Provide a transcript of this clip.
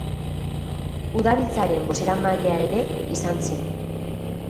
Udalbiltzaren bozeramailea ere izan zen.